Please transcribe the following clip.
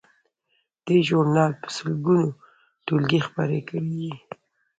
دې ژورنال په سلګونو ټولګې خپرې کړې دي.